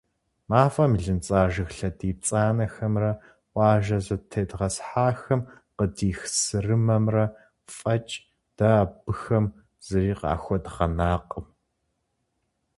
МафӀэм илынцӀа жыг лъэдий пцӀанэхэмрэ къуажэ зэтедгъэсхьахэм къыдих сырымэмрэ фӀэкӀ дэ абыхэм зыри къахуэдгъэнакъым.